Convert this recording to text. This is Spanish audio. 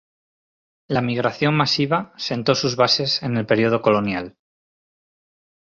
La migración masiva sentó sus bases en el período colonial.